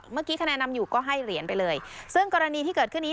คะแนนนำอยู่ก็ให้เหรียญไปเลยซึ่งกรณีที่เกิดขึ้นนี้